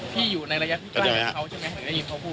พี่อยู่ในระยะที่ใกล้เขาใช่ไหมหากยินพี่พูด